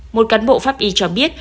một cán bộ pháp y cho biết